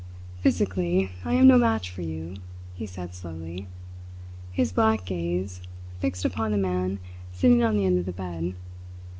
"Physically I am no match for you," he said slowly, his black gaze fixed upon the man sitting on the end of the bed.